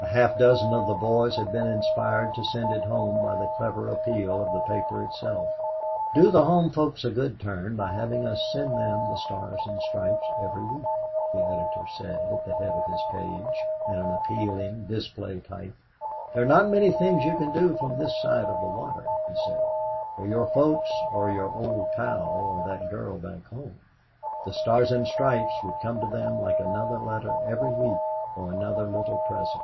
A half dozen of the boys had been inspired to send it home by the clever appeal of the paper itself. "Do the home folks a good turn by having us send them The Stars and Stripes every week," the editor said at the head of his page, in an appealing display type. "There are not many things you can do from this side of the water," he said, "for your folks or your old pal or that girl back home. The Stars and Stripes would come to them like another letter every week or another little present."